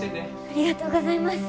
ありがとうございます。